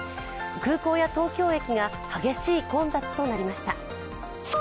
空港や東京駅が激しい混雑となりました。